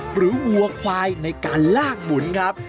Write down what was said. วัวควายในการลากหมุนครับ